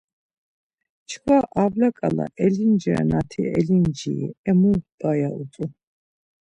Çkva avla ǩala elinciranati elinciri e mu p̌a ya utzu.